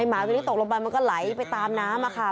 ไอ้หมาตกลงไปมันก็ไหลไปตามน้ำอะค่ะ